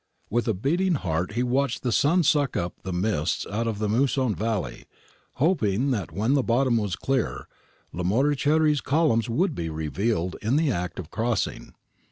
With a beating heart he watched the sun suck up the mists out of the Musone valley, hoping that when the bottom was clear Lamoriciere's columns would be revealed in the act of crossing.